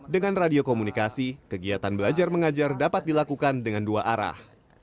dengan radio komunikasi kegiatan belajar mengajar dapat dilakukan dengan dua arah